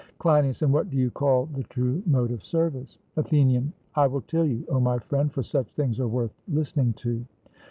CLEINIAS: And what do you call the true mode of service? ATHENIAN: I will tell you, O my friend, for such things are worth listening to.